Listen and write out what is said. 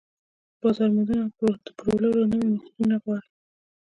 بازار موندنه او د پلورلو نوي ميتودونه غواړي.